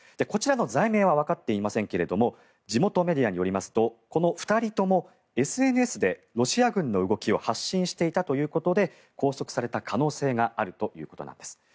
こちらの罪名はわかっていませんが地元メディアによりますとこの２人ともＳＮＳでロシア軍の動きを発信していたということで拘束された可能性があるということなんです。